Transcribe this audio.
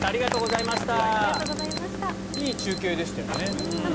いい中継でしたよね。